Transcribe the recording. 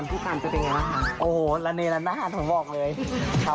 กินแกงยังไงบ้างคะเนธ